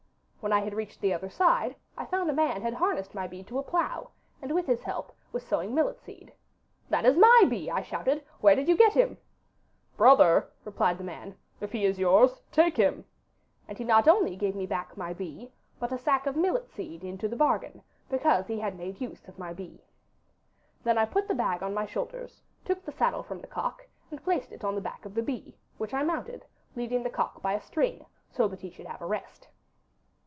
When I had reached the other side I found a man had harnessed my bee to a plough, and with his help was sowing millet seed. '"That is my bee!" I shouted. "Where did you get him from?"' "Brother," replied the man, "if he is yours, take him." And he not only gave me back my bee, but a sack of millet seed into the bargain, because he had made use of my bee. Then I put the bag on my shoulders, took the saddle from the cock, and placed it on the back of the bee, which I mounted, leading the cock by a string, so that he should have a rest.